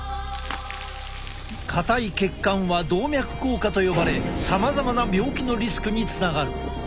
硬い血管は動脈硬化と呼ばれさまざまな病気のリスクにつながる。